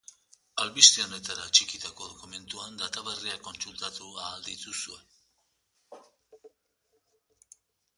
Albiste honetara atxikitako dokumentuan data berriak kontsultatu ahal dituzue.